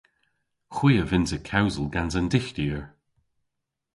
Hwi a vynnsa kewsel gans an Dyghtyer.